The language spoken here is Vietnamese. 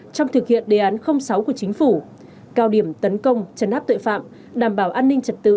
trong thực hiện đề án sáu của chính phủ cao điểm tấn công chấn áp tội phạm đảm bảo an ninh trật tự